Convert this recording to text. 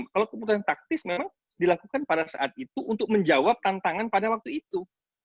kalau keputusan taktis memang dilakukan pada saat itu untuk menjawab tantangan pada waktu itu